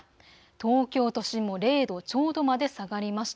東京都心も０度ちょうどまで下がりました。